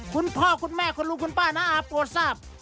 คุณพ่อคุณแม่คุณลุงคุณป้าน้าอาโปรดทราบ